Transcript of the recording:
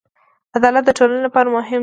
عدالت د ټولنې لپاره ډېر مهم دی.